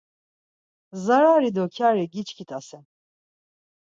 Zarari do kyari giçkit̆asen.